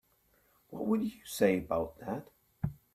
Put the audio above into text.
What would you say about that?